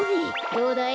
どうだい？